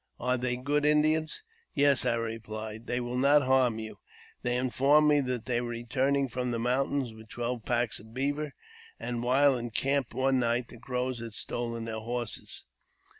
"Are they good Indians? "" Yes," I replied. " They will not harm you." They informed me that they were returning from the mountains with twelve packs of beaver, and, while encamped one night, the Crows had stolen their horses.